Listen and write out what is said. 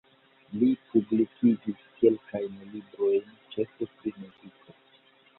Li publikigis kelkajn librojn ĉefe pri muziko.